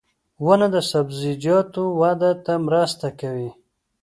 • ونه د سبزیجاتو وده ته مرسته کوي.